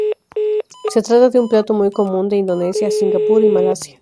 Se trata de un plato muy común de Indonesia, Singapur y Malasia.